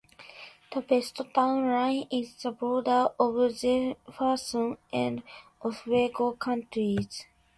The west town line is the border of Jefferson and Oswego counties.